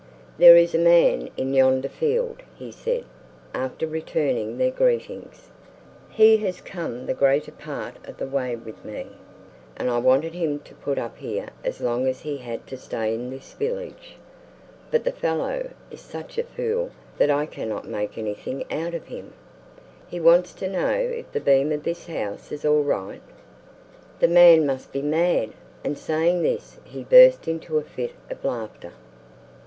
"There is a man in yonder field," he said, after returning their greetings. "He has come the greater part of the way with me, and I wanted him to put up here as long as he had to stay in this village. But the fellow is such a fool that I cannot make anything out of him. He wants to know if the beam of this house is all right. The man must be mad!" and saying this he burst into a fit of laughter.